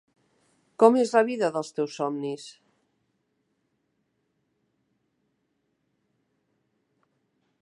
Com és la vida dels teus somnis?